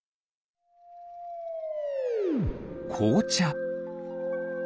こうちゃ。